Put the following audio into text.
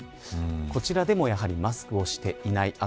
こちらでも、やはりマスクをしていない。